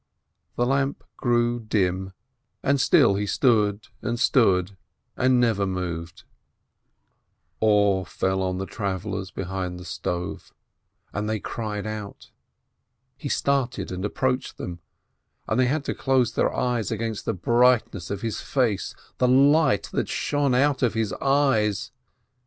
The lamp grew dim, and still he stood and stood and never moved. 534 ASCH Awe fell on the travellers behind the stove, and they cried out. He started and approached them, and they had to close their eyes against the brightness of his face, the light that shone out of his eyes